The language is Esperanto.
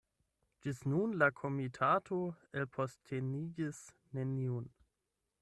Ĝis nun la komitato elpostenigis neniun.